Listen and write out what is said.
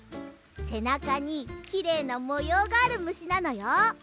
せなかにきれいなもようがあるむしなのよ。